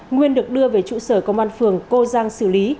nguyên được đưa về trụ sở công an phường cô giang xử lý